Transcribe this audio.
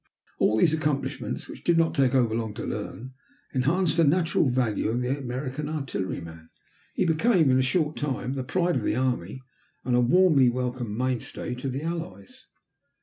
All these accomplishments, which did not take overlong to learn, enhanced the natural value of the American artilleryman. He became, in a short time, the pride of the army and a warmly welcomed mainstay to the Allies.